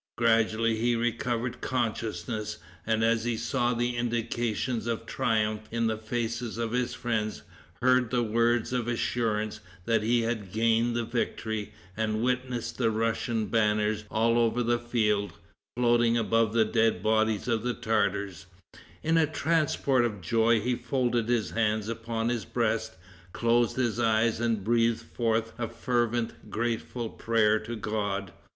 Gradually he recovered consciousness; and as he saw the indications of triumph in the faces of his friends, heard the words of assurance that he had gained the victory, and witnessed the Russian banners all over the field, floating above the dead bodies of the Tartars, in a transport of joy he folded his hands upon his breast, closed his eyes and breathed forth a fervent, grateful prayer to God.